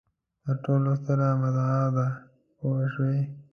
تر ټولو ستره متاع ده پوه شوې!.